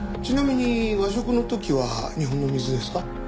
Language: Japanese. ちなみに和食の時は日本の水ですか？